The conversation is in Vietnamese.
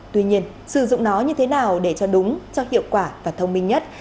tuy nhiên sử dụng nó như thế nào để cho đúng cho hiệu quả và thông minh nhất